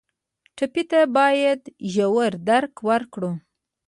ټپي ته باید ژور درک ورکړو.